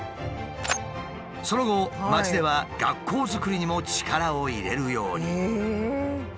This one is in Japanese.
その後町では学校づくりにも力を入れるように。